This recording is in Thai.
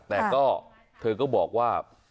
แต่ก็เธอก็บอกว่า